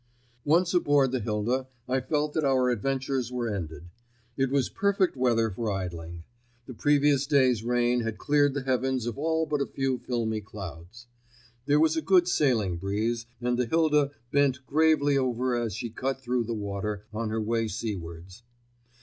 Once aboard the Hilda I felt that our adventures were ended. It was perfect weather for idling. The previous day's rain had cleared the heavens of all but a few filmy clouds. There was a good sailing breeze, and the Hilda bent gravely over as she cut through the water on her way seawards.